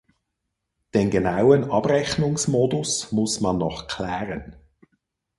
Den genauen Abrechnungsmodus muss man noch klären.